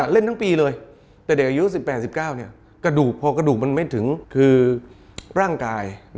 เล่นทั้งปีเลยแต่เด็กอายุ๑๘๑๙กระดูกพอกระดูกมันไม่ถึงคือร่างกาย